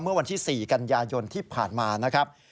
เมื่อวันที่๔กันยายนที่ผ่านมานะครับ